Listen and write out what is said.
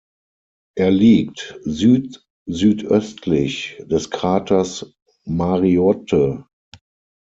Er liegt südsüdöstlich des Kraters Mariotte.